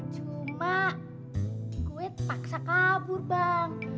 cuma gue terpaksa kabur bang